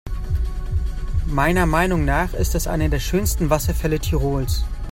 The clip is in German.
Meiner Meinung nach ist das einer der schönsten Wasserfälle Tirols.